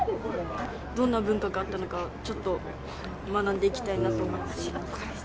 どんな文化があったのか、ちょっと学んでいきたいなと思います。